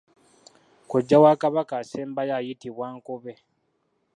Kojja w’aKabaka asembayo ayitibwa Nkobe.